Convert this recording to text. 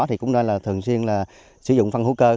thì cũng nên là thường xuyên là sử dụng phân hữu cơ